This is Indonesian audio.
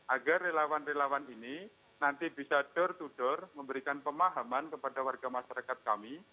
agar relawan relawan ini nanti bisa door to door memberikan pemahaman kepada warga masyarakat kami